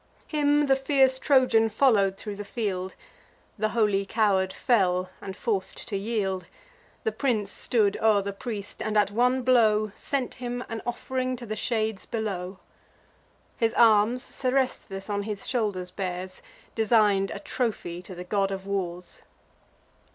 Him the fierce Trojan follow'd thro' the field: The holy coward fell; and, forc'd to yield, The prince stood o'er the priest, and, at one blow, Sent him an off'ring to the shades below. His arms Seresthus on his shoulders bears, Design'd a trophy to the God of Wars.